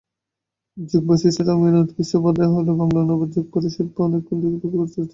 যোগবাশিষ্ঠ রামায়ণের উৎকৃষ্ট বাঁধাই বাংলা অনুবাদ যোগমায়ার শেলফে অনেক কাল থেকে অপেক্ষা করে আছে।